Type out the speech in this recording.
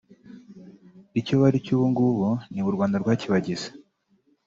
icyo bari cyo ubu ngubu ni u Rwanda rwakibagize